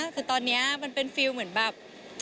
คือตอนนี้มันเป็นฟิลเหมือนแบบ